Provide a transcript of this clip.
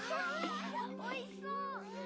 ・おいしそう！